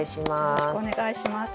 よろしくお願いします。